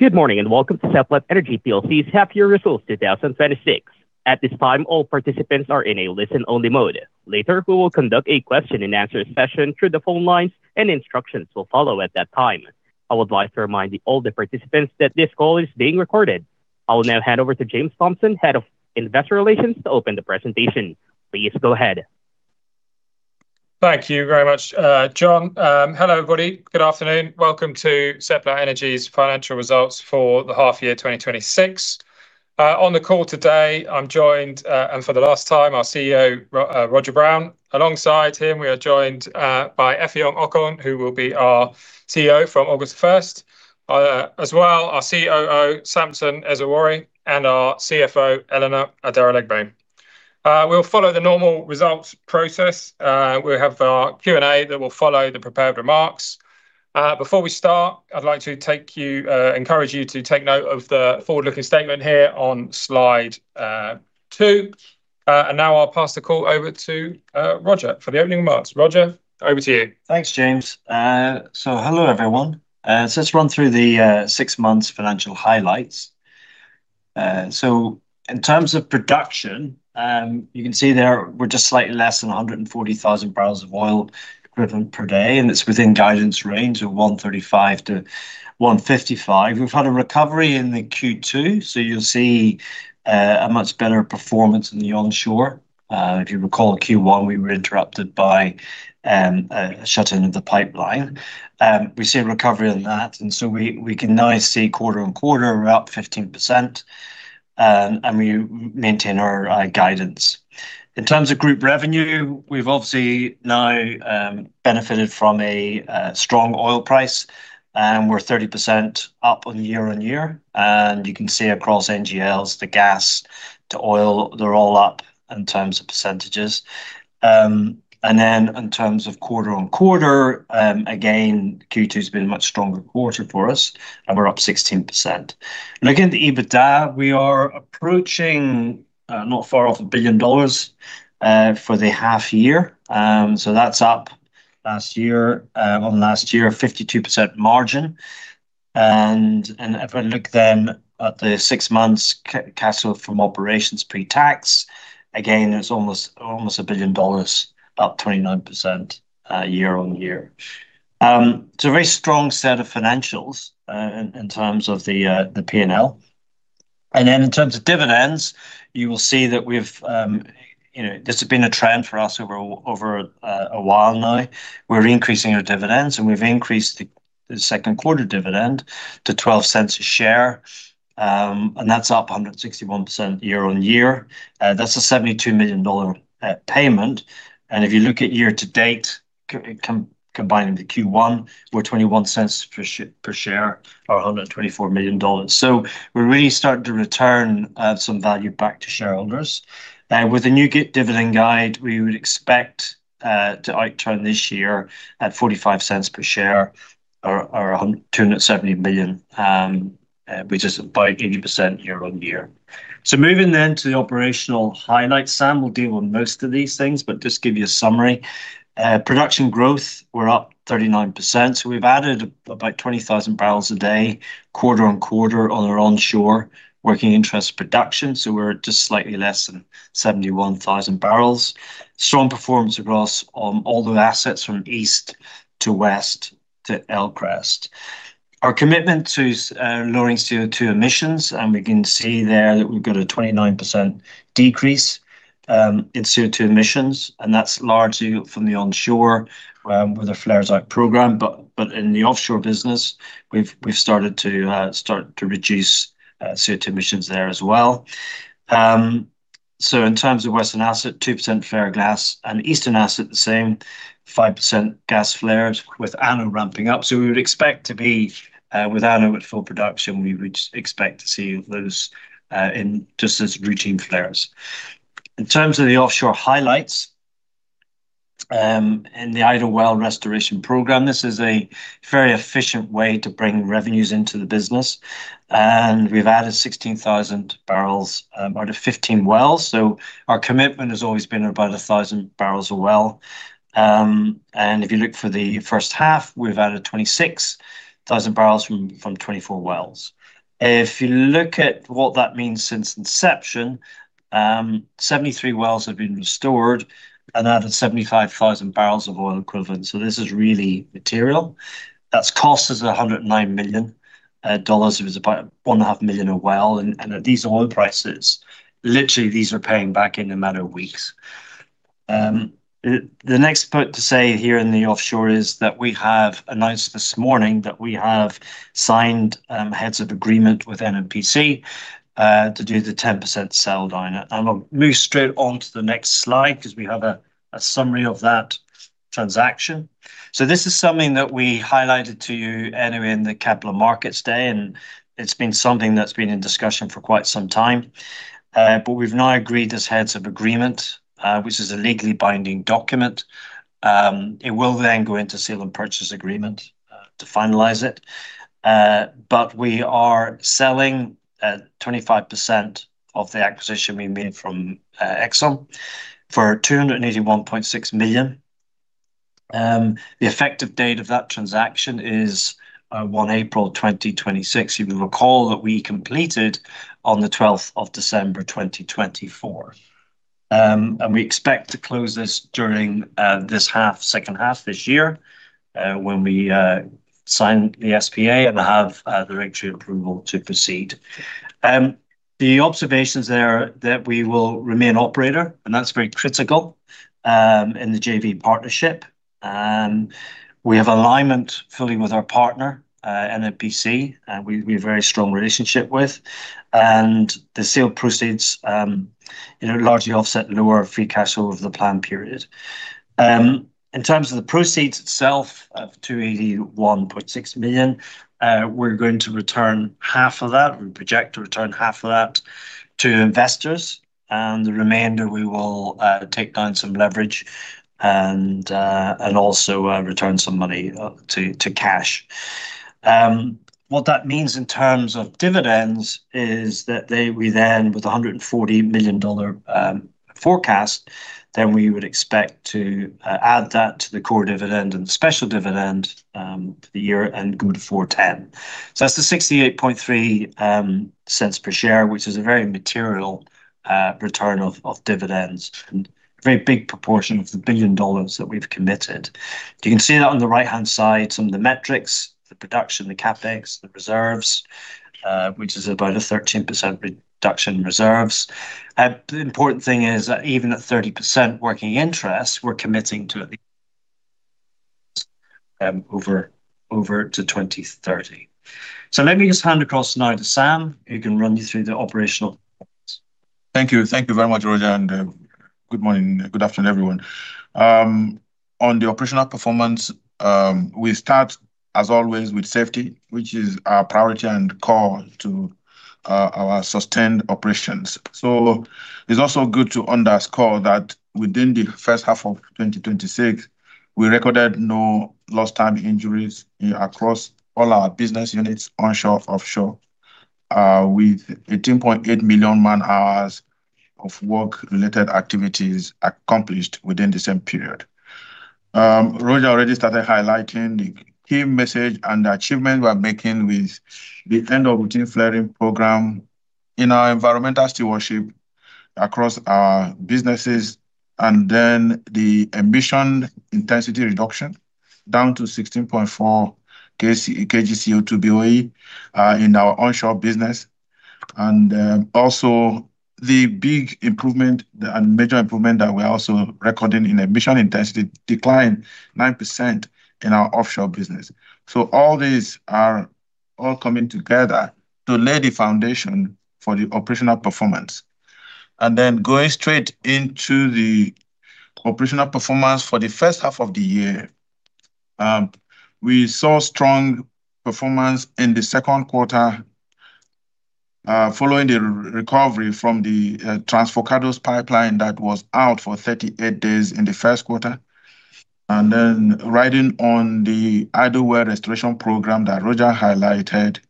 Good morning. Welcome to Seplat Energy Plc's half year results 2026. At this time, all participants are in a listen-only mode. Later, we will conduct a question and answer session through the phone lines. Instructions will follow at that time. I would like to remind all the participants that this call is being recorded. I will now hand over to James Thompson, Head of Investor Relations, to open the presentation. Please go ahead. Thank you very much, John. Hello, everybody. Good afternoon. Welcome to Seplat Energy's financial results for the half year 2026. On the call today, I'm joined, for the last time, our CEO, Roger Brown. Alongside him, we are joined by Effiong Okon, who will be our CEO from August 1st. Our COO, Samson Ezugworie, and our CFO, Eleanor Adaralegbe. We'll follow the normal results process. We have our Q&A that will follow the prepared remarks. Before we start, I'd like to encourage you to take note of the forward-looking statement here on slide two. Now I'll pass the call over to Roger for the opening remarks. Roger, over to you. Thanks, James. Hello, everyone. Let's run through the six months financial highlights. In terms of production, you can see there we're just slightly less than 140,000 boepd. It's within guidance range of 135 kboepd-155 kboepd. We've had a recovery in the Q2. You'll see a much better performance in the onshore. If you recall, Q1, we were interrupted by a shutdown of the pipeline. We see a recovery in that. We can now see quarter-on-quarter we're up 15%. We maintain our guidance. In terms of group revenue, we've obviously now benefited from a strong oil price. We're 30% up on year-on-year. You can see across NGLs, the gas to oil, they're all up in terms of percentages. In terms of quarter-on-quarter, again, Q2's been a much stronger quarter for us. We're up 16%. Looking at the EBITDA, we are approaching not far off $1 billion for the half year. That's up year-on-year, 52% margin. If I look at the six months cash flow from operations pre-tax, again, there's almost $1 billion, up 29% year-on-year. It's a very strong set of financials in terms of the P&L. In terms of dividends, you will see that this has been a trend for us over a while now. We're increasing our dividends. We've increased the second quarter dividend to $0.12 a share. That's up 161% year-on-year. That's a $72 million payment. If you look at year-to-date, combining the Q1, we're $0.21 per share or $124 million. We're really starting to return some value back to shareholders. With the new dividend guide, we would expect to outturn this year at $0.45 per share or $270 million, which is about 80% year-on-year. Moving then to the operational highlights. Sam will deal on most of these things, but just give you a summary. Production growth, we're up 39%, so we've added about 20,000 barrels a day quarter-on-quarter on our onshore working interest production, so we're just slightly less than 71,000 bbl. Strong performance across all the assets from East to West to Elcrest. Our commitment to lowering CO2 emissions, we can see there that we've got a 29% decrease in CO2 emissions, and that's largely from the onshore with our flares out program. In the offshore business, we've started to reduce CO2 emissions there as well. In terms of Western asset, 2% flare gas and Eastern asset the same, 5% gas flares with ANOH ramping up. With ANOH at full production, we would expect to see those just as routine flares. In terms of the offshore highlights, in the idle well restoration program, this is a very efficient way to bring revenues into the business, and we've added 16,000 bbl out of 15 wells. Our commitment has always been about 1,000 bbl a well. If you look for the first half, we've added 26,000 bbl from 24 wells. If you look at what that means since inception, 73 wells have been restored and added 75,000 bbl of oil equivalent. This is really material. That's cost us $109 million. It was about $1.5 million a well. At these oil prices, literally these are paying back in a matter of weeks. The next bit to say here in the offshore is that we have announced this morning that we have signed heads of agreement with NNPC to do the 10% sell down. I'll move straight onto the next slide because we have a summary of that transaction. This is something that we highlighted to you earlier in the Capital Markets Day, and it's been something that's been in discussion for quite some time. We've now agreed as heads of agreement, which is a legally binding document. It will then go into sale and purchase agreement to finalize it. We are selling 25% of the acquisition we made from Exxon for $281.6 million. The effective date of that transaction is 1 April 2026. You may recall that we completed on the 12th of December 2024. We expect to close this during this second half this year, when we sign the SPA and have directory approval to proceed. The observations there that we will remain operator, and that's very critical in the JV partnership. We have alignment fully with our partner, NNPC, and we have a very strong relationship with. The sale proceeds, it will largely offset lower free cash flow over the plan period. In terms of the proceeds itself, of $281.6 million, we project to return half of that to investors. The remainder, we will take down some leverage and also return some money to cash. What that means in terms of dividends is that we then, with $140 million forecast, then we would expect to add that to the core dividend and the special dividend for the year and go to $410 million. That's the $0.683 per share, which is a very material return of dividends and a very big proportion of the billion dollars that we've committed. You can see that on the right-hand side, some of the metrics, the production, the CapEx, the reserves, which is about a 13% reduction in reserves. The important thing is that even at 30% working interest, we're committing to at least over to 2030. Let me just hand across now to Sam, who can run you through the operational performance. Thank you. Thank you very much, Roger, and good afternoon, everyone. On the operational performance, we start, as always, with safety, which is our priority and core to our sustained operations. It's also good to underscore that within the first half of 2026, we recorded no lost time injuries across all our business units onshore, offshore, with 18.8 million man hours of work-related activities accomplished within the same period. Roger already started highlighting the key message and the achievement we are making with the end of routine flaring program in our environmental stewardship across our businesses, and then the emission intensity reduction down to 16.4 kg CO2 BOE in our onshore business, and also the major improvement that we're also recording in emission intensity decline 9% in our offshore business. All these are all coming together to lay the foundation for the operational performance. Going straight into the operational performance for the first half of the year. We saw strong performance in the second quarter, following the recovery from the Trans Forcados Pipeline that was out for 38 days in the first quarter, and then riding on the idle well restoration program that Roger highlighted,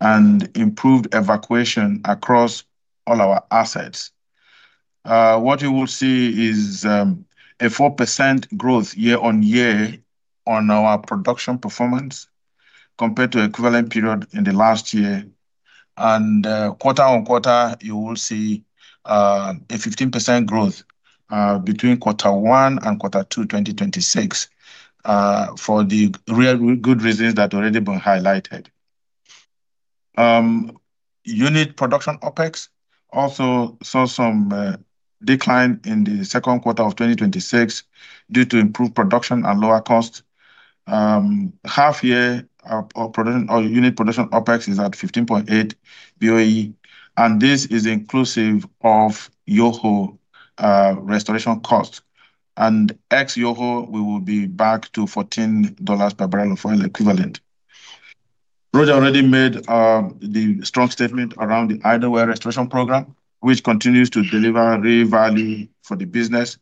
and improved evacuation across all our assets. What you will see is a 4% growth year-on-year on our production performance compared to equivalent period in the last year. Quarter-on-quarter, you will see a 15% growth between quarter one and quarter two 2026, for the real good reasons that have already been highlighted. Unit production OpEx also saw some decline in the second quarter of 2026 due to improved production and lower cost. Half year unit production OpEx is at 15.8 BOE, and this is inclusive of Yoho restoration cost. Ex Yoho, we will be back to $14 per barrel of oil equivalent. Roger already made the strong statement around the idle well restoration program, which continues to deliver real value for the business,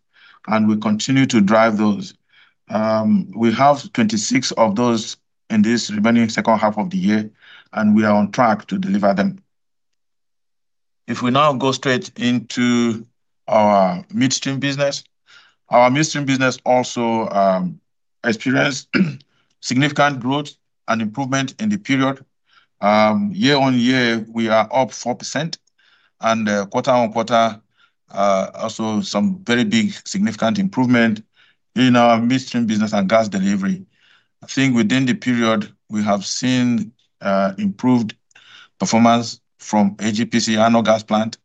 and we continue to drive those. We have 26 of those in this remaining second half of the year, and we are on track to deliver them. If we now go straight into our midstream business. Our midstream business also experienced significant growth and improvement in the period. Year-on-year, we are up 4%, and quarter-on-quarter, also some very big significant improvement in our midstream business and gas delivery. I think within the period, we have seen improved performance from ANOH Gas Plant,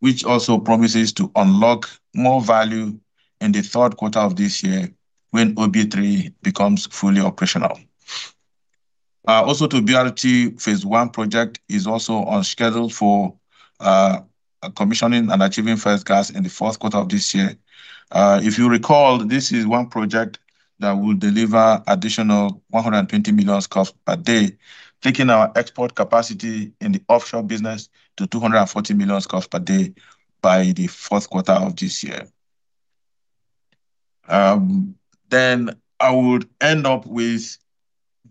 which also promises to unlock more value in the third quarter of this year when OB3 becomes fully operational. Oso-BRT phase I project is also on schedule for commissioning and achieving first gas in the fourth quarter of this year. If you recall, this is one project that will deliver additional 120 million scf per day, taking our export capacity in the offshore business to 240 million scf per day by the fourth quarter of this year.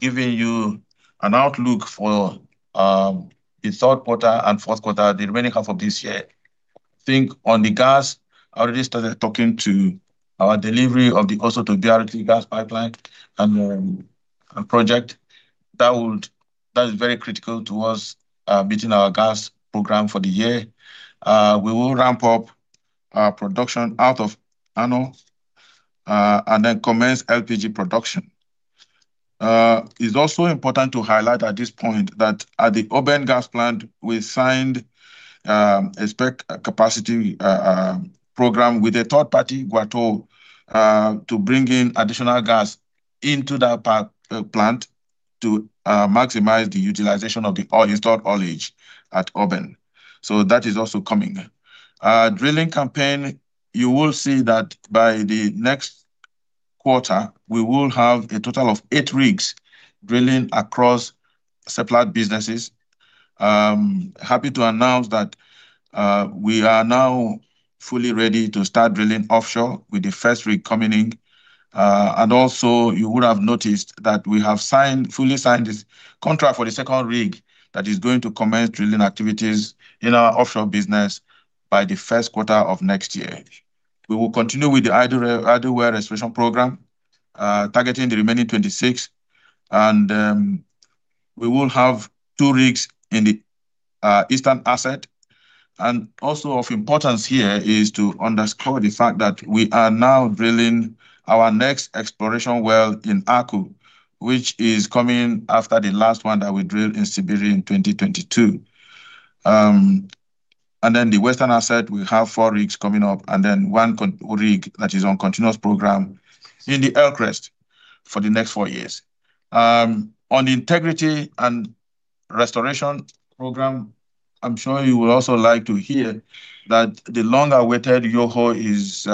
Giving you an outlook for the third quarter and fourth quarter, the remaining half of this year. On the gas, I already started talking to our delivery of the Oso-BRT gas pipeline and project. That is very critical to us meeting our gas program for the year. We will ramp up our production out of ANOH, and commence LPG production. It's also important to highlight at this point that at the Oben Gas Plant, we signed a spec capacity program with a third party, Geregu, to bring in additional gas into that plant to maximize the utilization of the installed oilage at Oben. That is also coming. Drilling campaign, you will see that by the next quarter, we will have a total of eight rigs drilling across Seplat businesses. Happy to announce that we are now fully ready to start drilling offshore with the first rig coming in. You would have noticed that we have fully signed this contract for the second rig that is going to commence drilling activities in our offshore business by the first quarter of next year. We will continue with the idle well restoration program, targeting the remaining 26, and we will have two rigs in the eastern asset. Of importance here is to underscore the fact that we are now drilling our next exploration well in Aku, which is coming after the last one that we drilled in Sibiri in 2022. The western asset, we have four rigs coming up, one rig that is on continuous program in the Elcrest for the next four years. On the integrity and restoration program, I'm sure you will also like to hear that the long-awaited Yoho is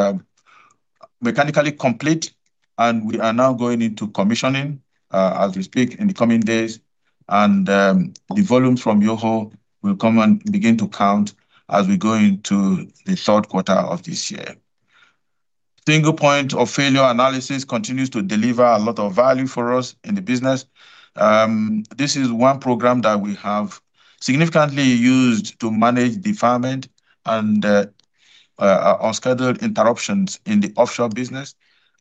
mechanically complete, and we are now going into commissioning, as we speak, in the coming days. The volumes from Yoho will come and begin to count as we go into the third quarter of this year. Single point of failure analysis continues to deliver a lot of value for us in the business. This is one program that we have significantly used to manage deferment and unscheduled interruptions in the offshore business.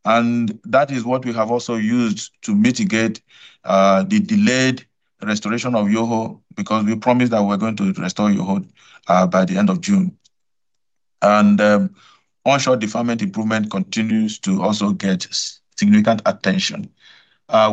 That is what we have also used to mitigate the delayed restoration of Yoho, because we promised that we're going to restore Yoho by the end of June. Onshore deferment improvement continues to also get significant attention.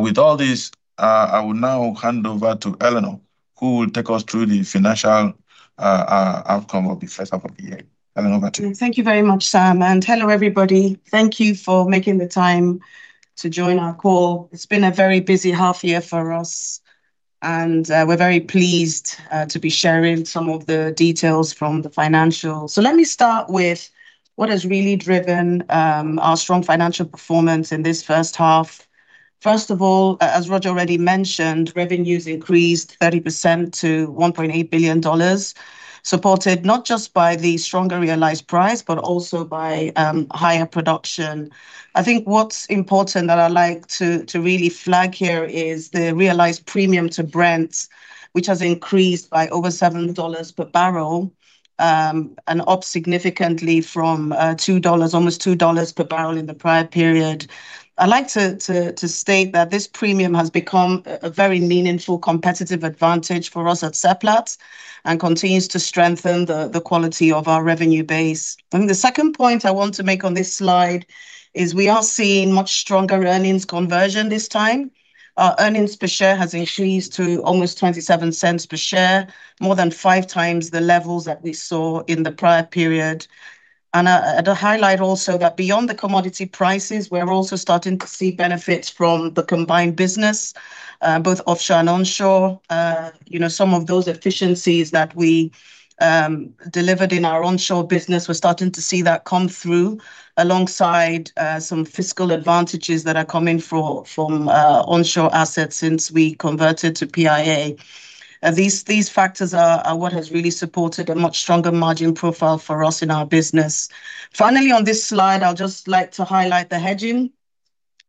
With all this, I will now hand over to Eleanor, who will take us through the financial outcome of the first half of the year. Eleanor, over to you. Thank you very much, Sam, and hello, everybody. Thank you for making the time to join our call. It's been a very busy half year for us, and we're very pleased to be sharing some of the details from the financials. Let me start with what has really driven our strong financial performance in this first half. First of all, as Roger already mentioned, revenues increased 30% to $1.8 billion, supported not just by the stronger realized price, but also by higher production. I think what's important that I'd like to really flag here is the realized premium to Brent, which has increased by over $7 per barrel, and up significantly from almost $2 per barrel in the prior period. I'd like to state that this premium has become a very meaningful competitive advantage for us at Seplat and continues to strengthen the quality of our revenue base. I think the second point I want to make on this slide is we are seeing much stronger earnings conversion this time. Our earnings per share has increased to almost $0.27 per share, more than five times the levels that we saw in the prior period. I'd highlight also that beyond the commodity prices, we're also starting to see benefits from the combined business, both offshore and onshore. Some of those efficiencies that we delivered in our onshore business, we're starting to see that come through alongside some fiscal advantages that are coming from onshore assets since we converted to PIA. These factors are what has really supported a much stronger margin profile for us in our business. Finally, on this slide, I'd just like to highlight the hedging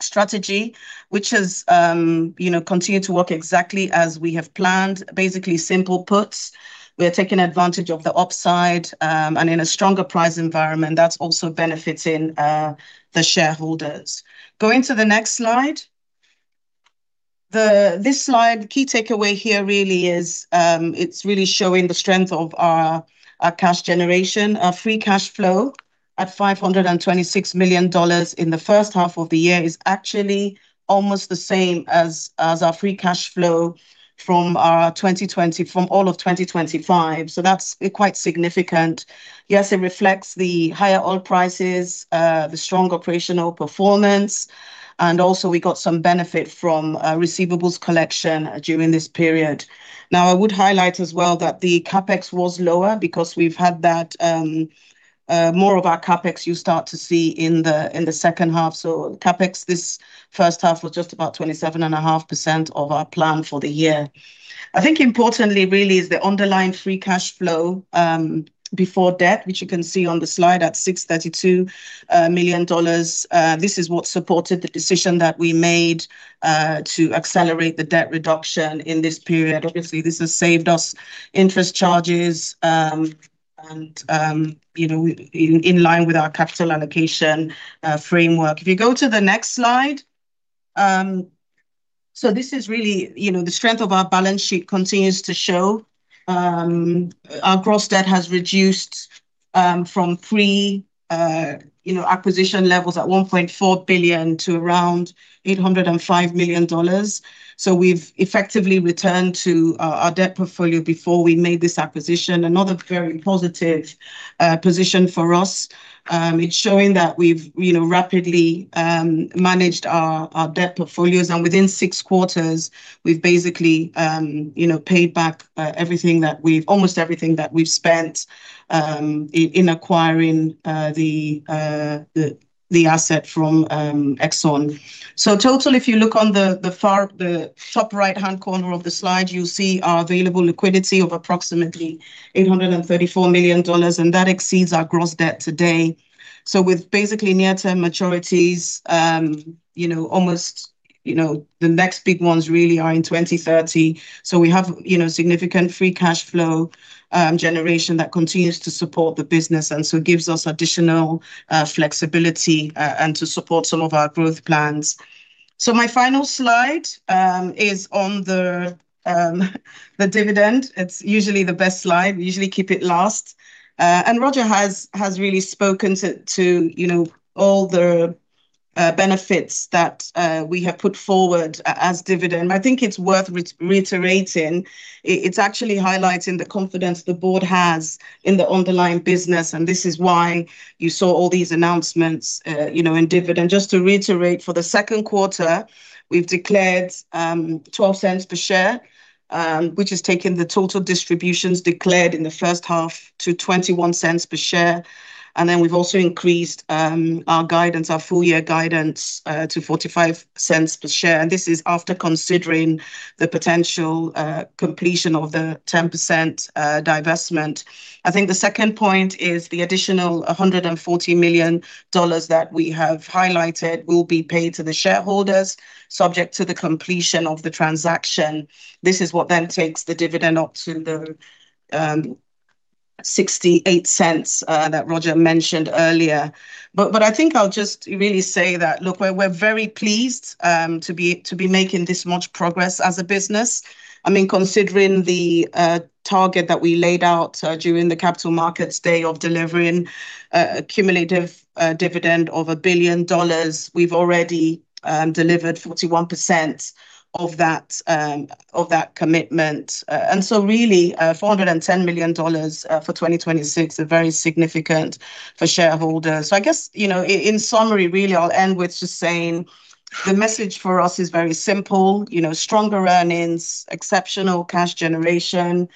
strategy, which has continued to work exactly as we have planned. Basically, simple puts. We are taking advantage of the upside, and in a stronger price environment, that's also benefiting the shareholders. Going to the next slide. This slide, the key takeaway here really is it's really showing the strength of our cash generation. Our free cash flow at $526 million in the first half of the year is actually almost the same as our free cash flow from all of 2025. That's quite significant. Yes, it reflects the higher oil prices, the stronger operational performance, and also we got some benefit from receivables collection during this period. I would highlight as well that the CapEx was lower because more of our CapEx you'll start to see in the second half. CapEx this first half was just about 27.5% of our plan for the year. I think importantly really is the underlying free cash flow before debt, which you can see on the slide at $632 million. This is what supported the decision that we made to accelerate the debt reduction in this period. Obviously, this has saved us interest charges and in line with our capital allocation framework. If you go to the next slide. This is really the strength of our balance sheet continues to show. Our gross debt has reduced from pre-acquisition levels at $1.4 billion to around $805 million. We've effectively returned to our debt portfolio before we made this acquisition. Another very positive position for us, it's showing that we've rapidly managed our debt portfolios and within six quarters we've basically paid back almost everything that we've spent in acquiring the asset from Exxon. In total, if you look on the top right-hand corner of the slide, you'll see our available liquidity of approximately $834 million, and that exceeds our gross debt today. With basically near-term maturities, the next big ones really are in 2030. We have significant free cash flow generation that continues to support the business, and it gives us additional flexibility and to support some of our growth plans. My final slide is on the dividend. It's usually the best slide. We usually keep it last. Roger has really spoken to all the benefits that we have put forward as dividend. I think it's worth reiterating. It's actually highlighting the confidence the board has in the underlying business, and this is why you saw all these announcements in dividend. Just to reiterate, for the second quarter, we've declared $0.12 per share, which has taken the total distributions declared in the first half to $0.21 per share. We've also increased our full-year guidance to $0.45 per share. This is after considering the potential completion of the 10% divestment. I think the second point is the additional $140 million that we have highlighted will be paid to the shareholders, subject to the completion of the transaction. This is what then takes the dividend up to the $0.68 that Roger mentioned earlier. I think I'll just really say that, look, we're very pleased to be making this much progress as a business. Considering the target that we laid out during the Capital Markets Day of delivering a cumulative dividend of $1 billion, we've already delivered 41% of that commitment. Really, $410 million for 2026 are very significant for shareholders. I guess, in summary really, I'll end with just saying the message for us is very simple. Stronger earnings, exceptional cash generation,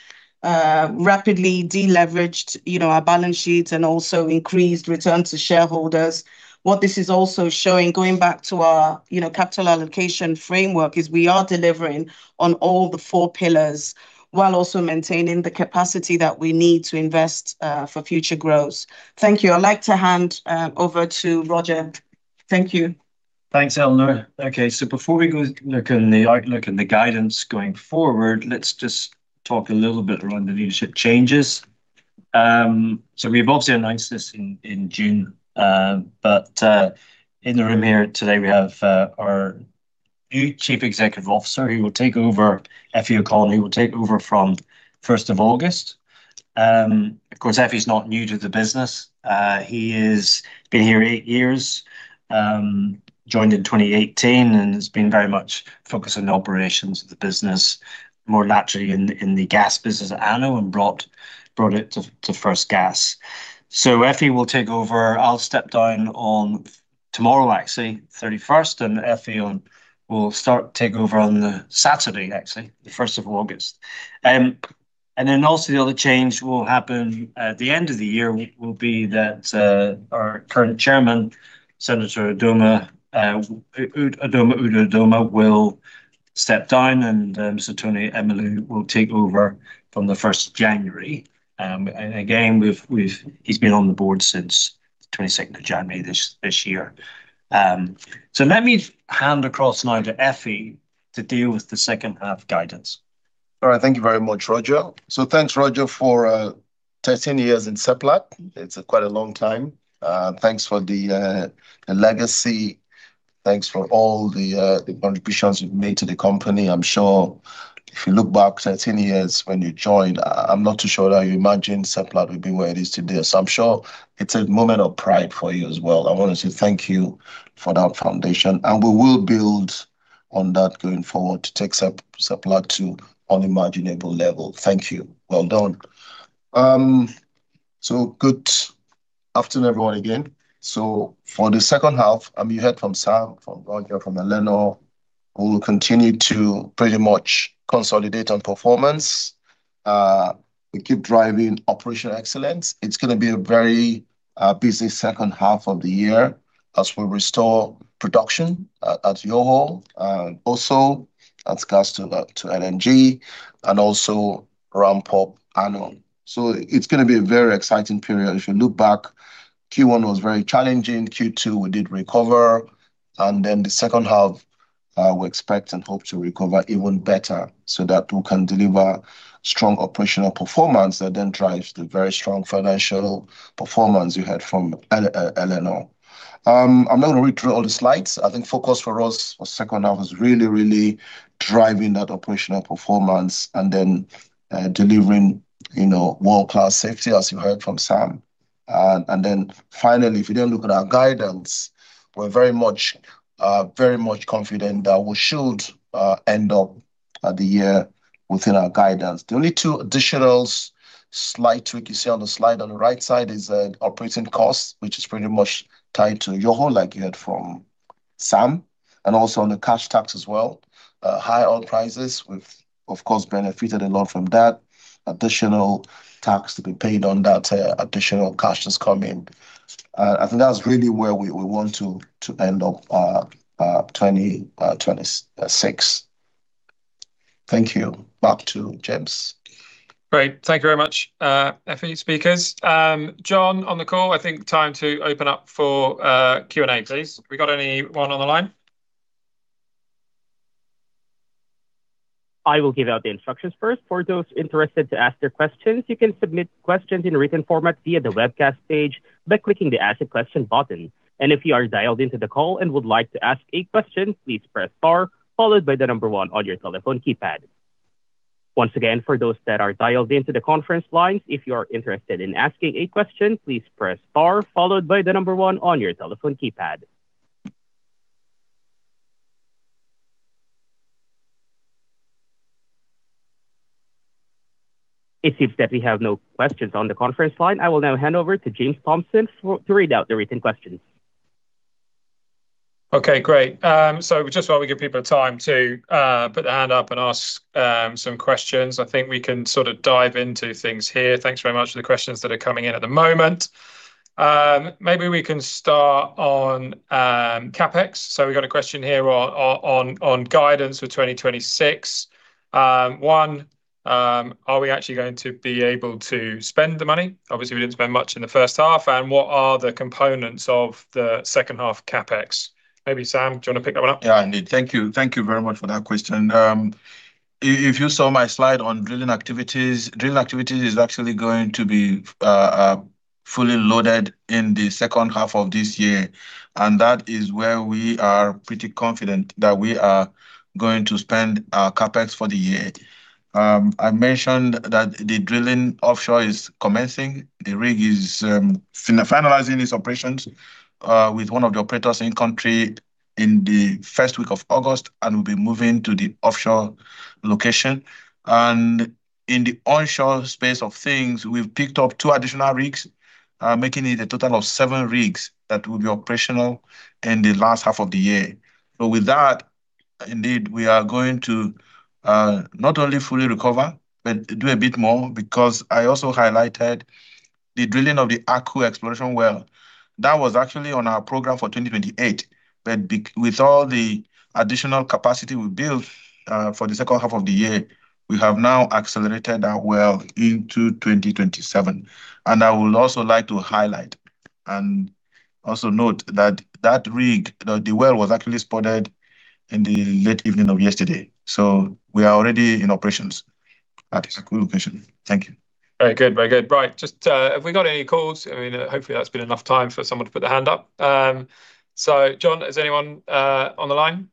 rapidly de-leveraged our balance sheets, and also increased return to shareholders. What this is also showing, going back to our capital allocation framework, is we are delivering on all the four pillars while also maintaining the capacity that we need to invest for future growth. Thank you. I'd like to hand over to Roger. Thank you. Thanks, Eleanor. Before we go look in the outlook and the guidance going forward, let's just talk a little bit around the leadership changes. We have obviously announced this in June, but in the room here today, we have our new Chief Executive Officer, Effiong Okon, who will take over from 1st of August. Of course, Effiong is not new to the business. He has been here eight years. Joined in 2018 and has been very much focused on the operations of the business, more naturally in the gas business at ANOH and brought it to first gas. Effiong will take over. I'll step down tomorrow actually, 31st, and Effiong will start take over on the Saturday, actually, the 1st of August. The other change will happen at the end of the year, will be that our current Chairman, Senator Udo Udoma, will step down, and Sir Tony Elumelu will take over from the 1st of January. He's been on the board since 22nd of January this year. Let me hand across now to Effy to deal with the second half guidance. All right. Thank you very much, Roger. Thanks, Roger, for 13 years in Seplat. It's quite a long time. Thanks for the legacy. Thanks for all the contributions you've made to the company. I'm sure if you look back 13 years when you joined, I'm not too sure that you imagined Seplat would be where it is today. I'm sure it's a moment of pride for you as well. I want to say thank you for that foundation, and we will build on that going forward to take Seplat to unimaginable level. Thank you. Well done. Good afternoon, everyone, again. For the second half, you heard from Sam, from Roger, from Eleanor, we will continue to pretty much consolidate on performance. We keep driving operational excellence. It's going to be a very busy second half of the year as we restore production at Yoho, also at Gas to LNG, and also ramp up ANOH. It's going to be a very exciting period. If you look back, Q1 was very challenging. Q2, we did recover, the second half, we expect and hope to recover even better so that we can deliver strong operational performance that drives the very strong financial performance you heard from Eleanor. I'm not going to read through all the slides. I think focus for us for second half is really, really driving that operational performance and then delivering world-class safety, as you heard from Sam. Finally, if you then look at our guidance, we're very much confident that we should end up the year within our guidance. The only two additional slight tweak you see on the slide on the right side is operating costs, which is pretty much tied to Yoho, like you heard from Sam, and also on the cash tax as well. High oil prices, we've, of course, benefited a lot from that. Additional tax to be paid on that additional cash that's come in. I think that's really where we want to end up our 2026. Thank you. Back to James. Great. Thank you very much, Effy, speakers. John, on the call, I think time to open up for Q&A, please. We got anyone on the line? I will give out the instructions first. For those interested to ask their questions, you can submit questions in written format via the webcast page by clicking the Ask a Question button. If you are dialed into the call and would like to ask a question, please press star, followed by the number one on your telephone keypad. Once again, for those that are dialed into the conference lines, if you are interested in asking a question, please press star, followed by the number one on your telephone keypad. It seems that we have no questions on the conference line. I will now hand over to James Thompson to read out the written questions. Okay, great. Just while we give people time to put their hand up and ask some questions, I think we can sort of dive into things here. Thanks very much for the questions that are coming in at the moment. Maybe we can start on CapEx. We got a question here on guidance for 2026. 1, are we actually going to be able to spend the money? Obviously, we didn't spend much in the first half. What are the components of the second half CapEx? Maybe, Sam, do you want to pick that one up? Yeah, indeed. Thank you. Thank you very much for that question. If you saw my slide on drilling activities, drilling activities is actually going to be fully loaded in the second half of this year, and that is where we are pretty confident that we are going to spend our CapEx for the year. I mentioned that the drilling offshore is commencing. The rig is finalizing its operations, with one of the operators in country in the first week of August, and will be moving to the offshore location. And in the onshore space of things, we've picked up two additional rigs, making it a total of seven rigs that will be operational in the last half of the year. With that, indeed, we are going to, not only fully recover, but do a bit more, because I also highlighted the drilling of the Aku exploration well. That was actually on our program for 2028. With all the additional capacity we built for the second half of the year, we have now accelerated that well into 2027. I would also like to highlight and also note that that rig, the well was actually spudded in the late evening of yesterday. We are already in operations at the Aku location. Thank you. Very good. Right. Have we got any calls? Hopefully, that's been enough time for someone to put their hand up. John, is anyone on the line?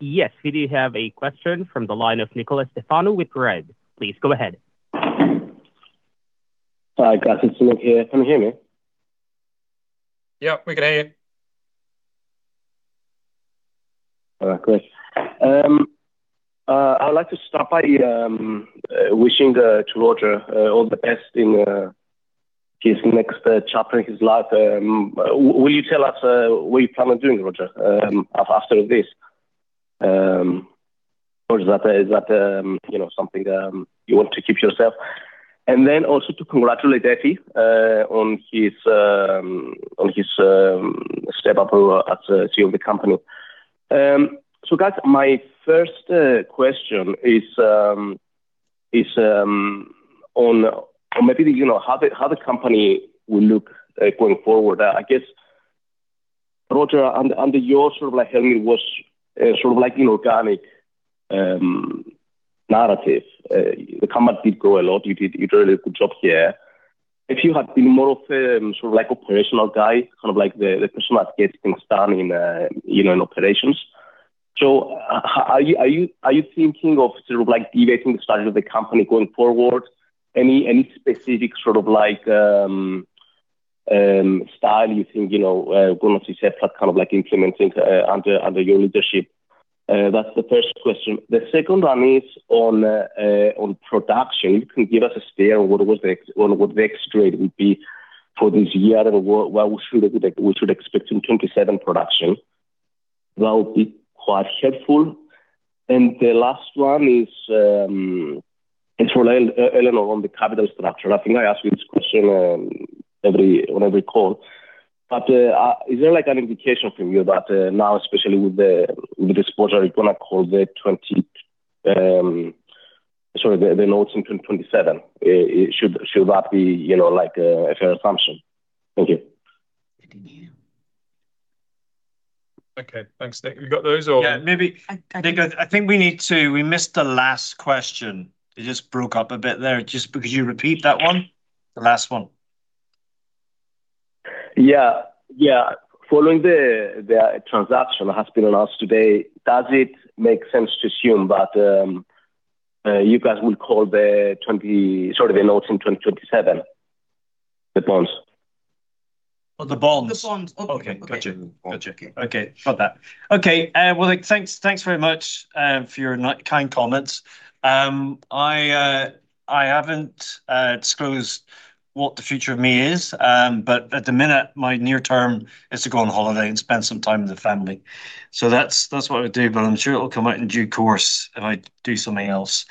Yes. We do have a question from the line of Nikolas Stefanou with REDD. Please go ahead. Hi, guys. It's Nick here. Can you hear me? Yep, we can hear you. All right, great. I'd like to start by wishing to Roger all the best in his next chapter in his life. Will you tell us what you plan on doing, Roger, after this? Is that something you want to keep to yourself? Also to congratulate Effy on his step up as CEO of the company. Guys, my first question is on maybe how the company will look going forward. I guess, Roger, under your sort of helm, it was sort of inorganic narrative. The company did grow a lot. You did a really good job here. If you had been more of sort of operational guy, kind of the person that gets things done in operations. Are you thinking of sort of deviating the strategy of the company going forward? Any specific sort of style you think going with Seplat kind of implementing under your leadership? That's the first question. The second one is on production. If you can give us a steer on what the X trade would be for this year and what we should expect in 2027 production. That would be quite helpful. The last one is for Eleanor on the capital structure. I think I ask you this question on every call. Is there an indication from you that now, especially with the disposal, you're going to call the notes in 2027? Should that be a fair assumption? Thank you. Thank you. Okay. Thanks, Nick. Have you got those? Yeah, maybe, Nick, I think we missed the last question. It just broke up a bit there. Just could you repeat that one, the last one? Yeah. Following the transaction that has been announced today, does it make sense to assume that you guys will call the notes in 2027, the bonds? Oh, the bonds. The bonds. Okay. Okay, got you. Bonds. Got you. Okay, got that. Okay. Well, thanks very much for your kind comments. I haven't disclosed what the future of me is. At the minute, my near term is to go on holiday and spend some time with the family. That's what I would do. I'm sure it'll come out in due course if I do something else.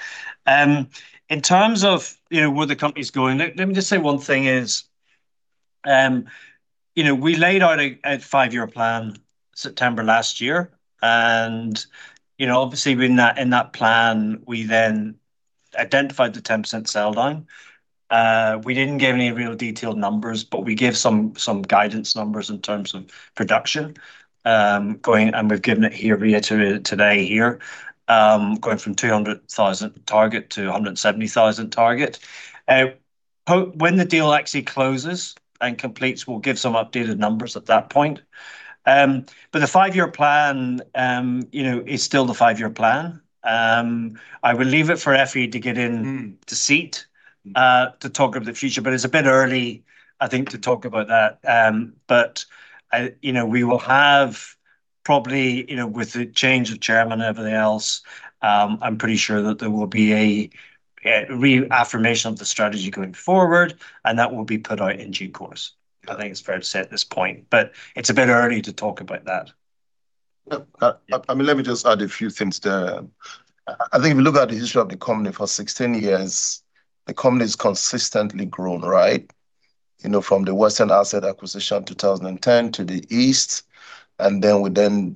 In terms of where the company's going, let me just say one thing is, we laid out a five-year plan September last year, obviously in that plan, we then identified the 10% sell-down. We didn't give any real detailed numbers, but we gave some guidance numbers in terms of production. We've given it here, reiterated it today here, going from 200,000 target to 170,000 target. When the deal actually closes and completes, we'll give some updated numbers at that point. The five-year plan is still the five-year plan. I will leave it for Effy to get in to seat to talk of the future, it's a bit early, I think, to talk about that. We will have probably, with the change of chairman and everything else, I'm pretty sure that there will be a reaffirmation of the strategy going forward, that will be put out in due course. I think it's fair to say at this point. It's a bit early to talk about that. I mean, let me just add a few things there. I think if you look at the history of the company, for 16 years, the company has consistently grown. From the Western asset acquisition in 2010 to the East, then we then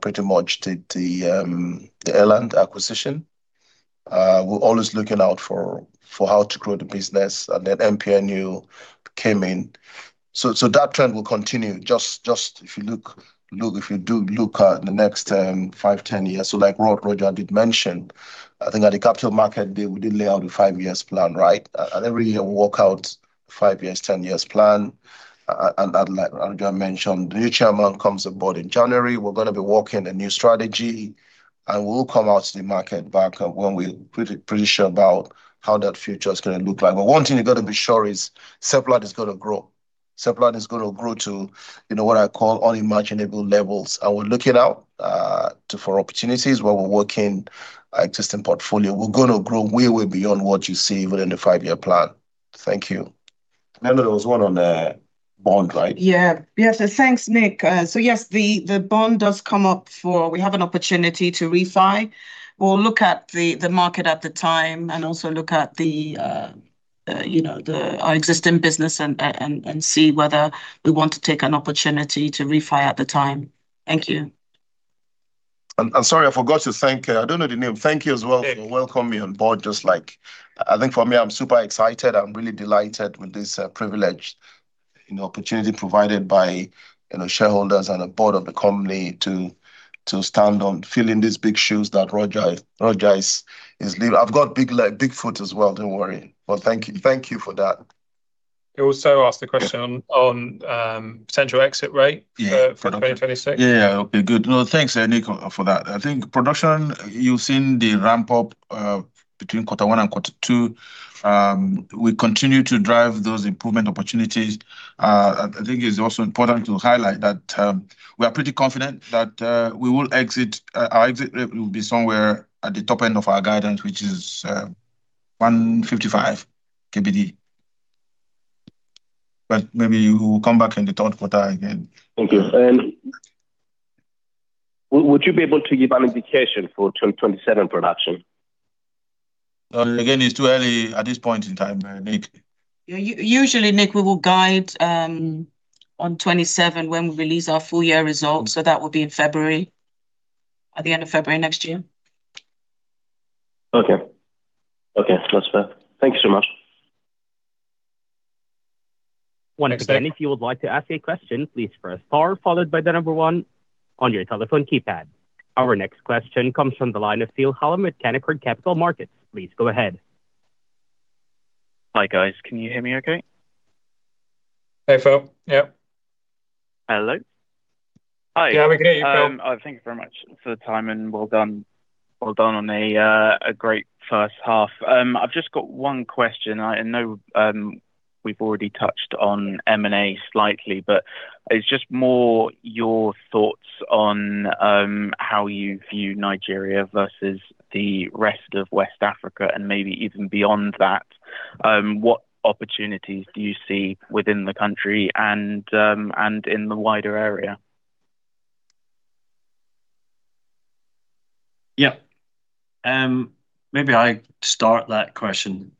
pretty much did the Eland acquisition. We're always looking out for how to grow the business. Then MPNU came in. That trend will continue. If you do look at the next five, 10 years, like Roger did mention, I think at the Capital Markets Day, we did lay out the five years plan. Every year we work out five years, 10 years plan. Like Roger mentioned, the new chairman comes on board in January. We're going to be working a new strategy, we'll come out to the market back up when we're pretty sure about how that future is going to look like. One thing you got to be sure is Seplat is going to grow. Seplat is going to grow to what I call unimaginable levels, and we're looking out for opportunities where we're working existing portfolio. We're going to grow way beyond what you see within the five-year plan. Thank you. Then there was one on the bond, right? Yeah. Thanks, Nick. Yes, the bond does come up for. We have an opportunity to refi. We'll look at the market at the time and also look at our existing business and see whether we want to take an opportunity to refi at the time. Thank you. Sorry, I forgot to thank, I don't know the name. Thank you as well. Nick for welcoming me on board. I think for me, I'm super excited. I'm really delighted with this privilege and the opportunity provided by shareholders and the board of the company to stand on filling these big shoes that Roger is leaving. I've got big foot as well, don't worry. Thank you for that. He also asked the question on potential exit rate Yeah for 2026. No, thanks, Nick, for that. I think production, you've seen the ramp-up between Quarter One and Quarter Two. We continue to drive those improvement opportunities. I think it's also important to highlight that we are pretty confident that our exit rate will be somewhere at the top end of our guidance, which is 155 KBD. Maybe we will come back in the third quarter again. Okay. Would you be able to give an indication for 2027 production? Again, it's too early at this point in time, Nick. Yeah. Usually, Nick, we will guide on 2027 when we release our full year results. That will be in February, at the end of February next year. Okay. That's fair. Thank you so much. You bet. Once again, if you would like to ask a question, please press star followed by the number one on your telephone keypad. Our next question comes from the line of Phil Hallam with Canaccord Capital Markets. Please go ahead. Hi, guys. Can you hear me okay? Hey, Phil. Yeah. Hello. Hi. Yeah, we can hear you, Phil. Thank you very much for the time, well done on a great first half. I've just got one question. I know we've already touched on M&A slightly, It's just more your thoughts on how you view Nigeria versus the rest of West Africa, and maybe even beyond that. What opportunities do you see within the country and in the wider area? Yeah. Maybe I start that question.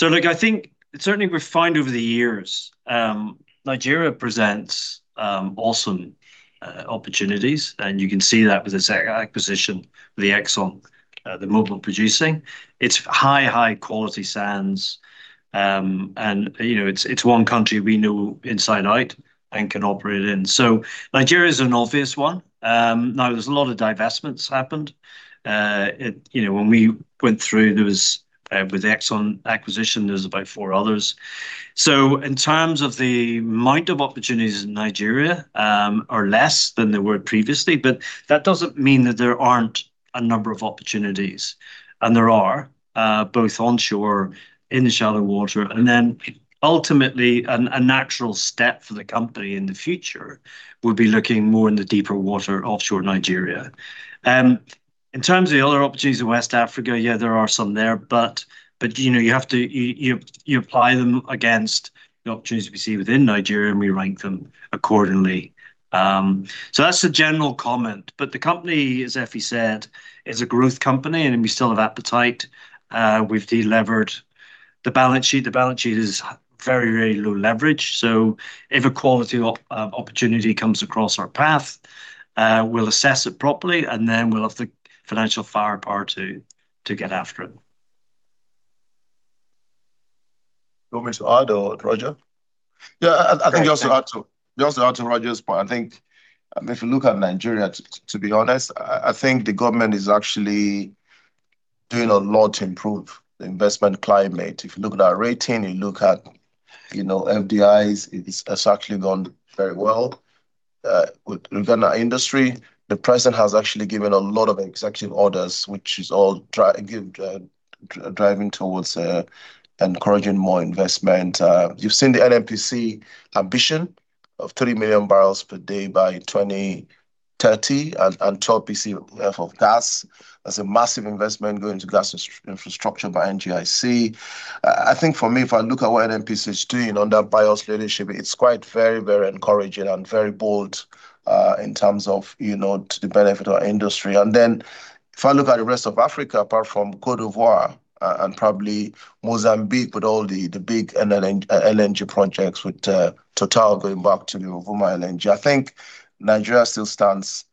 Look, I think certainly we've refined over the years. Nigeria presents awesome opportunities, you can see that with this acquisition with Exxon, the Mobil Producing. It's high, high-quality sands. It's one country we know inside out and can operate in. Nigeria is an obvious one. Now, there's a lot of divestments happened. When we went through, with the Exxon acquisition, there was about four others. In terms of the amount of opportunities in Nigeria, are less than there were previously, that doesn't mean that there aren't a number of opportunities. There are, both onshore, in the shallow water, and then ultimately, a natural step for the company in the future would be looking more in the deeper water offshore Nigeria. In terms of the other opportunities in West Africa, yeah, there are some there, but you apply them against the opportunities we see within Nigeria, and we rank them accordingly. That's the general comment, but the company, as Effy said, is a growth company, and we still have appetite. We've delevered the balance sheet. The balance sheet is very low leverage. If a quality opportunity comes across our path, we'll assess it properly, and then we'll have the financial firepower to get after it. You want me to add or Roger? Yeah, I think just to add to Roger's point, I think if you look at Nigeria, to be honest, I think the government is actually doing a lot to improve the investment climate. If you look at our rating, you look at FDIs, it's actually gone very well. With regard to our industry, the president has actually given a lot of executive orders, which is all driving towards encouraging more investment. You've seen the NNPC ambition of 30 million barrels per day by 2030 and 12 BC level gas. That's a massive investment going to gas infrastructure by NGIC. I think for me, if I look at what NNPC is doing under Bayo's leadership, it's quite very encouraging and very bold in terms of to the benefit of our industry. Then if I look at the rest of Africa, apart from Côte d'Ivoire and probably Mozambique with all the big LNG projects, with Total going back to the Rovuma LNG, I think Nigeria still stands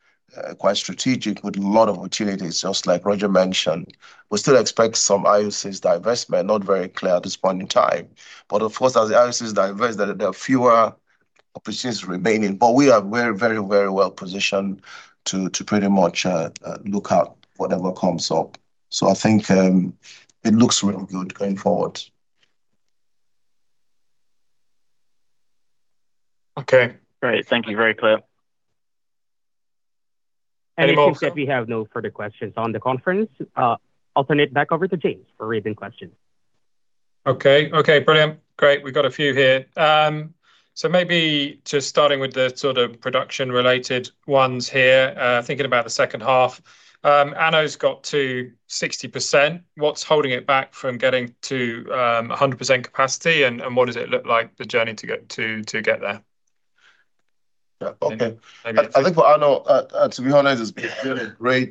quite strategic with a lot of opportunities, just like Roger mentioned. We still expect some IOCs divestment, not very clear at this point in time. Of course, as the IOCs divest, there are fewer opportunities remaining. We are very well positioned to pretty much look at whatever comes up. I think it looks really good going forward. Okay. Great. Thank you. Very clear. It seems that we have no further questions on the conference. I'll turn it back over to James for raising questions. Okay, brilliant. Great, we've got a few here. Maybe just starting with the sort of production-related ones here, thinking about the second half. ANOH's got to 60%. What's holding it back from getting to 100% capacity, and what does it look like the journey to get there? Yeah. Okay. Maybe- I think for ANOH, to be honest, it's been a really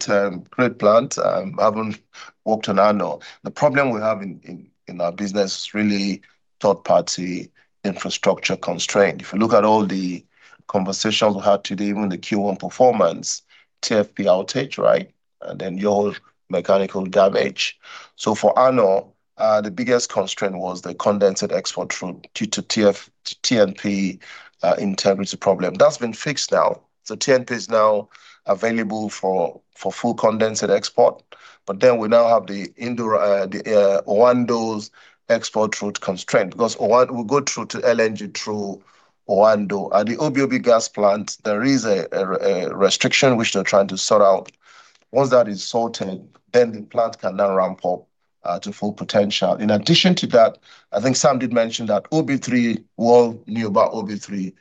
great plant. Having worked on ANOH, the problem we have in our business is really third-party infrastructure constraint. If you look at all the conversations we had today, even the Q1 performance, TFP outage, right? Then your mechanical damage. For ANOH, the biggest constraint was the condensate export route due to TNP integrity problem. That's been fixed now. TNP is now available for full condensate export. Then we now have the Owando's export route constraint, because we go through to LNG through Owando. At the Oben Gas Plant, there is a restriction which they're trying to sort out. Once that is sorted, the plant can now ramp up to full potential. In addition to that, I think Sam did mention that OB3, well, nearby OB3,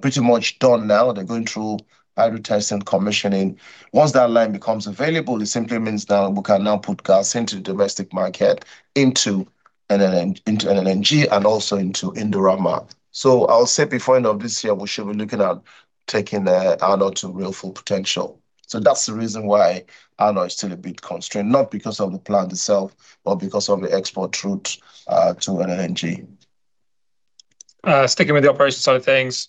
pretty much done now. They are going through hydro testing, commissioning. Once that line becomes available, it simply means now we can now put gas into the domestic market, into LNG, and also into Indorama. I will say before end of this year, we should be looking at taking ANOH to real full potential. That is the reason why ANOH is still a bit constrained, not because of the plant itself, but because of the export route to LNG. Sticking with the operations side of things.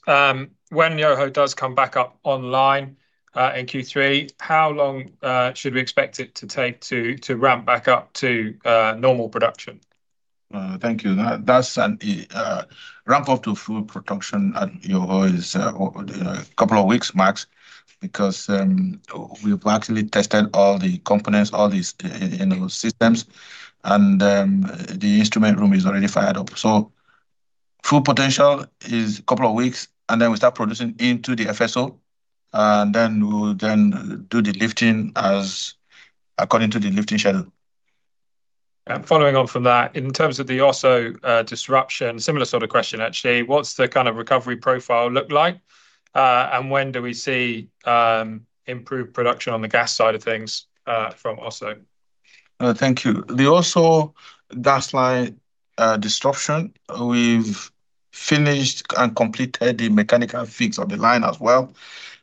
When Yoho does come back up online, in Q3, how long should we expect it to take to ramp back up to normal production? Thank you. Ramp up to full production at Yoho is a couple of weeks max, because we have actually tested all the components, all the systems, and the instrument room is already fired up. Full potential is a couple of weeks, then we start producing into the FSO, then we will then do the lifting according to the lifting schedule. Following on from that, in terms of the Oso disruption, similar sort of question actually, what is the kind of recovery profile look like? When do we see improved production on the gas side of things from Oso? Thank you. The Oso gas line disruption, we've finished and completed the mechanical fix of the line as well.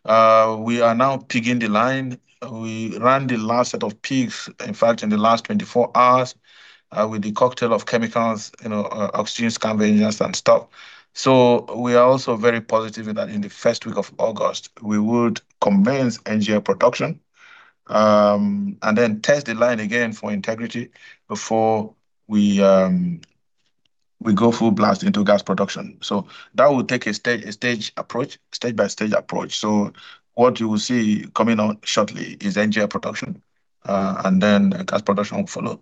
We are now pigging the line. We ran the last set of pigs, in fact, in the last 24 hours, with a cocktail of chemicals, oxygen scavengers and stuff. We are also very positive that in the first week of August we would commence NGL production, and then test the line again for integrity before we go full blast into gas production. That will take a stage by stage approach. What you will see coming on shortly is NGL production, and then gas production will follow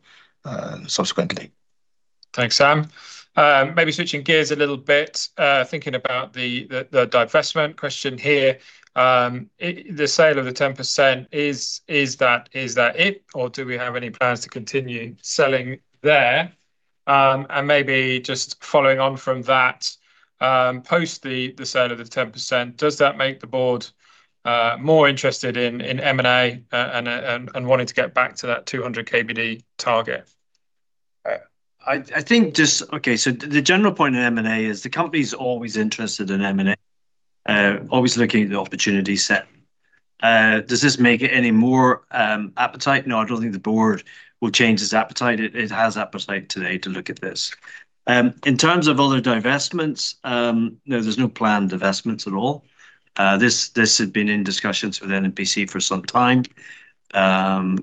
subsequently. Thanks, Sam. Maybe switching gears a little bit, thinking about the divestment question here. The sale of the 10%, is that it, or do we have any plans to continue selling there? Maybe just following on from that, post the sale of the 10%, does that make the board more interested in M&A, and wanting to get back to that 200 KBD target? The general point of M&A is the company's always interested in M&A, always looking at the opportunity set. Does this make it any more appetite? No, I don't think the board will change its appetite. It has appetite today to look at this. In terms of other divestments, no, there's no planned divestments at all. This had been in discussions with NNPC for some time.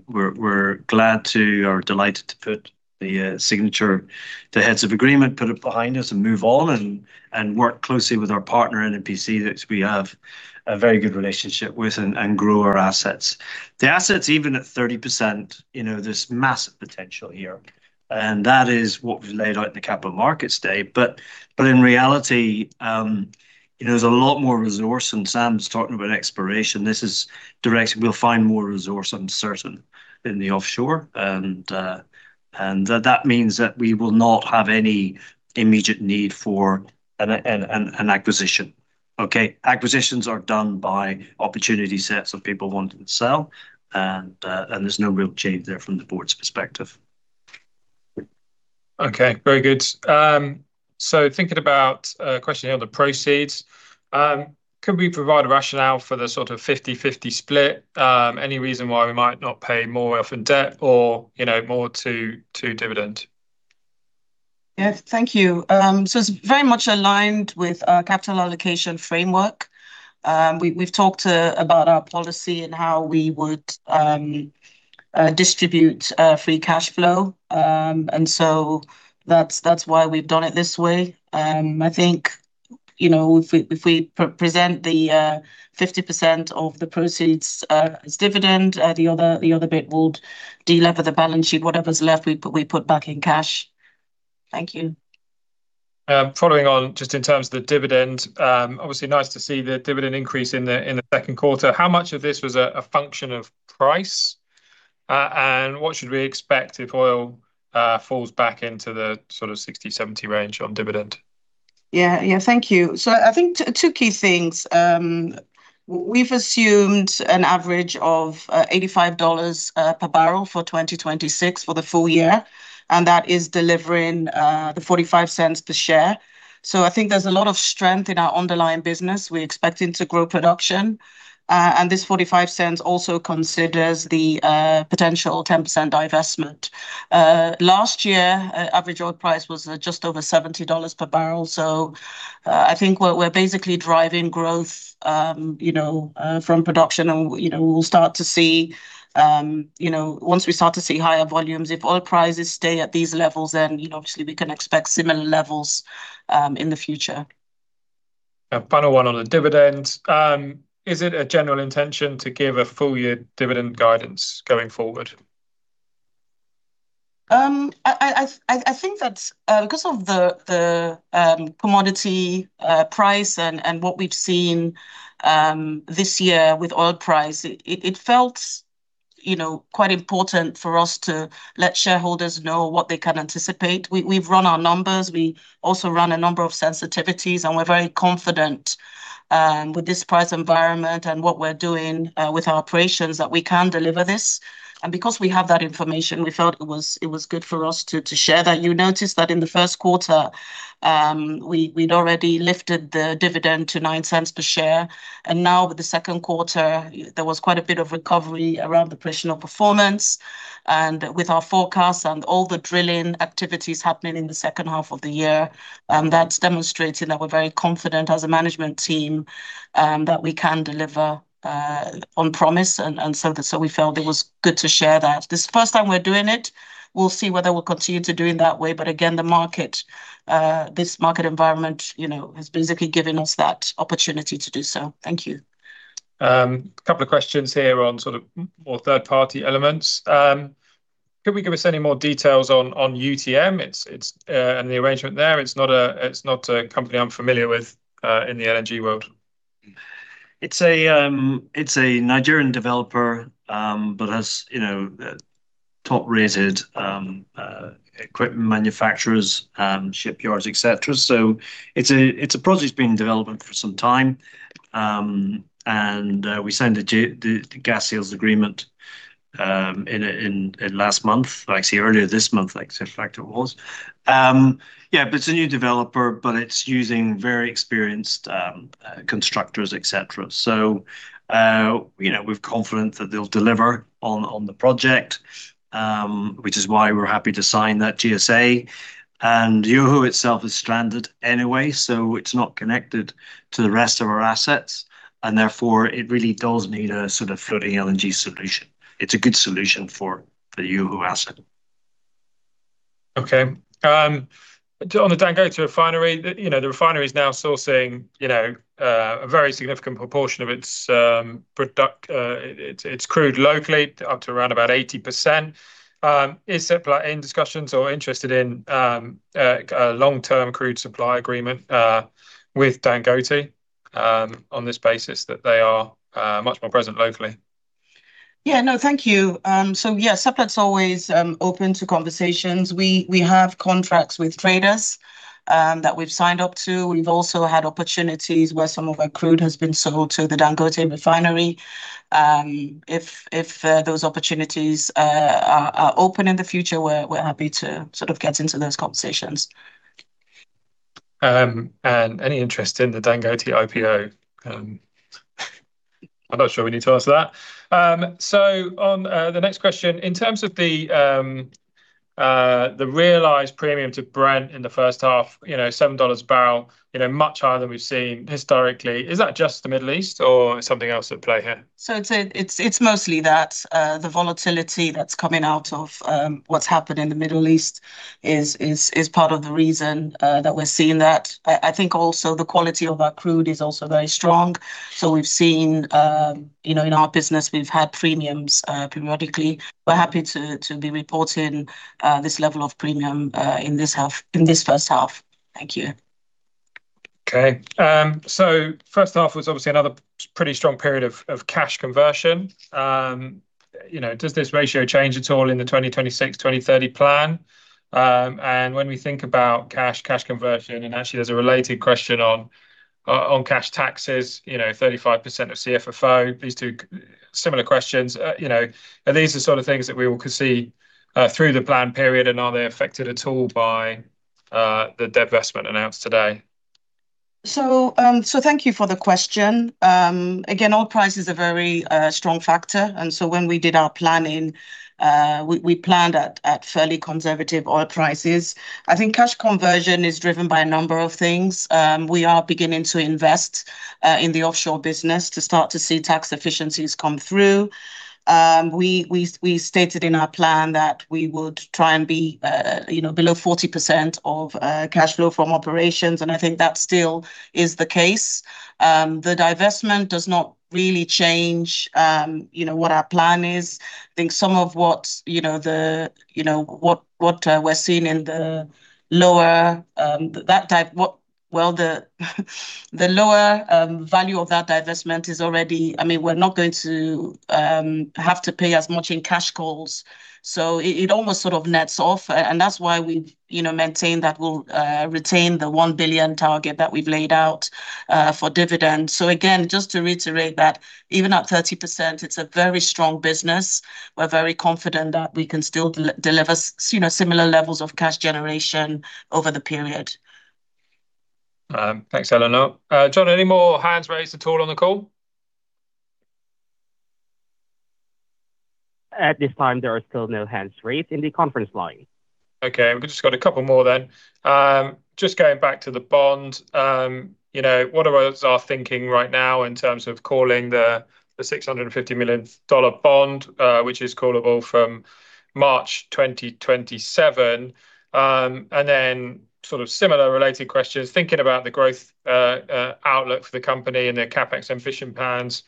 We're glad to, or delighted to, put the signature to heads of agreement, put it behind us and move on, and work closely with our partner, NNPC, that we have a very good relationship with and grow our assets. The assets, even at 30%, there's massive potential here, and that is what we've laid out in the Capital Markets Day. In reality, there's a lot more resource, and Sam's talking about exploration. This is direct. We'll find more resource, I'm certain, in the offshore. That means that we will not have any immediate need for an acquisition. Acquisitions are done by opportunity sets of people wanting to sell. There's no real change there from the board's perspective. Okay. Very good. Thinking about a question here on the proceeds. Can we provide a rationale for the sort of 50/50 split? Any reason why we might not pay more off in debt or more to dividend? Yeah. Thank you. It's very much aligned with our capital allocation framework. We've talked about our policy and how we would distribute free cash flow. That's why we've done it this way. I think, if we present the 50% of the proceeds as dividend, the other bit we would delever the balance sheet, whatever's left, we put back in cash. Thank you. Following on, just in terms of the dividend, obviously nice to see the dividend increase in the second quarter. How much of this was a function of price? What should we expect if oil falls back into the sort of $60-$70 range on dividend? Yeah. Thank you. I think two key things. We've assumed an average of $85 per barrel for 2026 for the full year, and that is delivering the $0.45 per share. I think there's a lot of strength in our underlying business. We're expecting to grow production. This $0.45 also considers the potential 10% divestment. Last year, average oil price was just over $70 per barrel. I think we're basically driving growth from production, and we'll start to see, once we start to see higher volumes, if oil prices stay at these levels, obviously we can expect similar levels in the future. A final one on the dividend. Is it a general intention to give a full year dividend guidance going forward? I think that because of the commodity price and what we've seen this year with oil price, it felt quite important for us to let shareholders know what they can anticipate. We've run our numbers. We also ran a number of sensitivities, and we're very confident with this price environment and what we're doing with our operations, that we can deliver this. Because we have that information, we felt it was good for us to share that. You notice that in the first quarter, we had already lifted the dividend to $0.09 per share. Now with the second quarter, there was quite a bit of recovery around operational performance. With our forecast and all the drilling activities happening in the second half of the year, that's demonstrating that we're very confident as a management team that we can deliver on promise. We felt it was good to share that. This is the first time we're doing it. We will see whether we will continue to do it that way, again, this market environment has basically given us that opportunity to do so. Thank you. Couple of questions here on sort of more third-party elements. Can we give us any more details on UTM and the arrangement there? It's not a company I'm familiar with in the LNG world. It's a Nigerian developer, but has top-rated equipment manufacturers, shipyards, et cetera. It's a project that's been in development for some time. We signed the gas sales agreement last month. Actually, earlier this month, in fact, it was. It's a new developer, but it's using very experienced constructors, et cetera. We're confident that they'll deliver on the project, which is why we're happy to sign that GSA. Yoho itself is stranded anyway, so it's not connected to the rest of our assets, and therefore, it really does need a sort of floating LNG solution. It's a good solution for the Yoho asset. On the Dangote Refinery, the refinery is now sourcing a very significant proportion of its crude locally, up to around about 80%. Is Seplat in discussions or interested in a long-term crude supply agreement with Dangote on this basis that they are much more present locally? Thank you. Seplat's always open to conversations. We have contracts with traders that we've signed up to. We've also had opportunities where some of our crude has been sold to the Dangote Refinery. If those opportunities are open in the future, we're happy to sort of get into those conversations. Any interest in the Dangote IPO? I'm not sure we need to answer that. On the next question, in terms of the realized premium to Brent in the first half, $7 a barrel, much higher than we've seen historically. Is that just the Middle East, or is something else at play here? It's mostly that. The volatility that's coming out of what's happened in the Middle East is part of the reason that we're seeing that. I think also the quality of our crude is also very strong. We've seen, in our business, we've had premiums periodically. We're happy to be reporting this level of premium in this first half. Thank you. Okay. First half was obviously another pretty strong period of cash conversion. Does this ratio change at all in the 2026, 2030 plan? When we think about cash conversion, and actually there's a related question on cash taxes, 35% of CFFO. These two similar questions. Are these the sort of things that we all could see through the plan period, and are they affected at all by the divestment announced today? Thank you for the question. Again, oil price is a very strong factor. When we did our planning, we planned at fairly conservative oil prices. I think cash conversion is driven by a number of things. We are beginning to invest in the offshore business to start to see tax efficiencies come through. We stated in our plan that we would try and be below 40% of cash flow from operations. I think that still is the case. The divestment does not really change what our plan is. I think some of what we're seeing in the lower, the lower value of that divestment is already, we're not going to have to pay as much in cash calls. It almost sort of nets off, and that's why we maintain that we'll retain the $1 billion target that we've laid out for dividends. Again, just to reiterate that even at 30%, it's a very strong business. We're very confident that we can still deliver similar levels of cash generation over the period. Thanks, Eleanor. John, any more hands raised at all on the call? At this time, there are still no hands raised in the conference line. Okay. We've just got a couple more then. Just going back to the bond. What are others are thinking right now in terms of calling the $650 million bond, which is callable from March 2027? Sort of similar related questions, thinking about the growth outlook for the company and the CapEx ambition plans,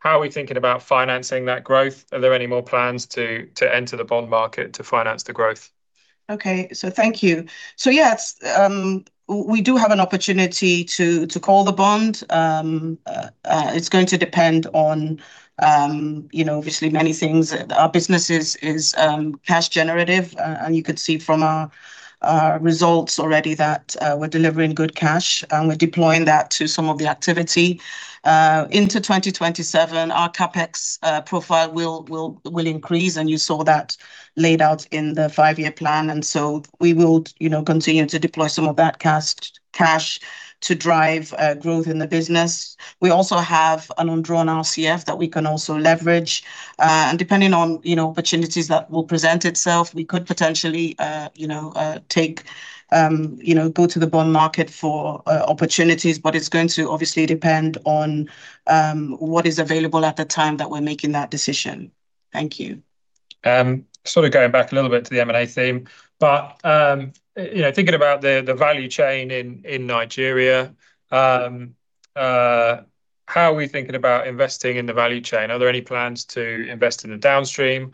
how are we thinking about financing that growth? Are there any more plans to enter the bond market to finance the growth? Thank you. Yes, we do have an opportunity to call the bond. It's going to depend on obviously many things. Our business is cash generative. You could see from our results already that we're delivering good cash, and we're deploying that to some of the activity. Into 2027, our CapEx profile will increase, and you saw that laid out in the five-year plan. We will continue to deploy some of that cash to drive growth in the business. We also have an undrawn RCF that we can also leverage. Depending on opportunities that will present itself, we could potentially go to the bond market for opportunities. It's going to obviously depend on what is available at the time that we're making that decision. Thank you. Sort of going back a little bit to the M&A theme. Thinking about the value chain in Nigeria, how are we thinking about investing in the value chain? Are there any plans to invest in the downstream?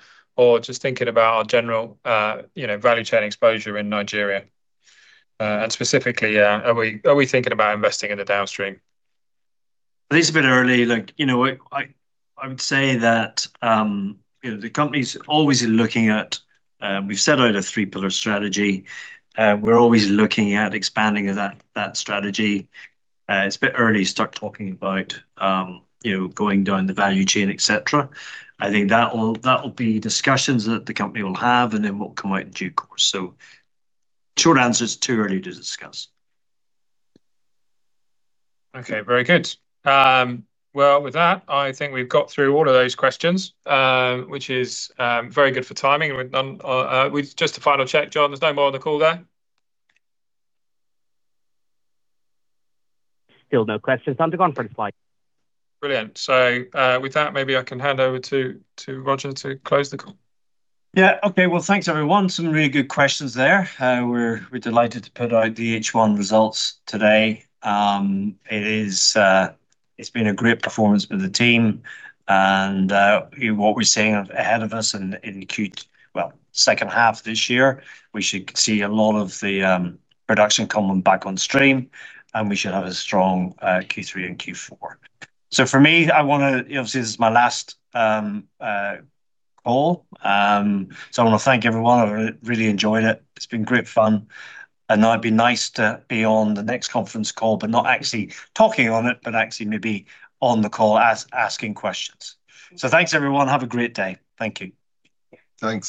Just thinking about our general value chain exposure in Nigeria. Specifically, are we thinking about investing in the downstream? I think it's a bit early. Look, I would say that the company's always looking at, we've set out a three-pillar strategy. We're always looking at expanding that strategy. It's a bit early to start talking about going down the value chain, et cetera. I think that will be discussions that the company will have and then will come out in due course. Short answer, it's too early to discuss. Okay. Very good. With that, I think we've got through all of those questions, which is very good for timing. Just a final check, John, there's no more on the call there? Still no questions on the conference line. Brilliant. With that, maybe I can hand over to Roger to close the call. Well, thanks everyone. Some really good questions there. We're delighted to put out the H1 results today. It's been a great performance by the team. What we're seeing ahead of us in second half this year, we should see a lot of the production coming back on stream, we should have a strong Q3 and Q4. For me, obviously, this is my last call. I want to thank everyone. I really enjoyed it. It's been great fun. Now it'd be nice to be on the next conference call, but not actually talking on it, but actually maybe on the call asking questions. Thanks, everyone. Have a great day. Thank you. Thanks.